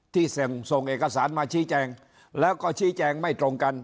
ที่ส่งเอกสารมาชี้แจงแล้วก็ชี้แจงไม่ตรงกัน